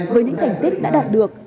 với những thành tích đã đạt được